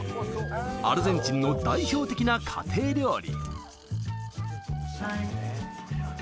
アルゼンチンの代表的な家庭料理。